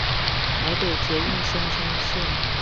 臺北捷運松山線